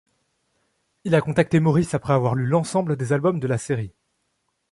Il a contacté Morris après avoir lu l'ensemble des albums de la série.